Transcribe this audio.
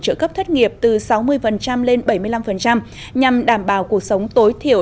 trợ cấp thất nghiệp từ sáu mươi lên bảy mươi năm nhằm đảm bảo cuộc sống tối thiểu